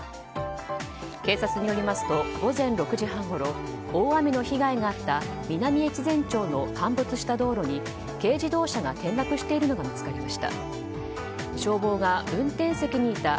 警察によりますと午前６時半ごろ大雨の被害があった南越前町の陥没した道路に軽自動車が転落しているのが見つかりました。